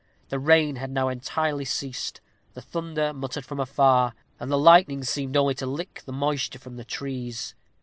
The rain had now entirely ceased; the thunder muttered from afar, and the lightning seemed only to lick the moisture from the trees.